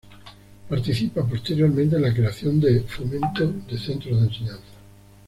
Participa posteriormente en la creación de Fomento de Centros de Enseñanza.